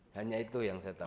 hanya itu yang saya tahu